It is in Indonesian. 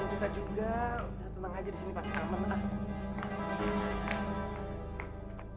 udah tenang aja di sini pasir pasir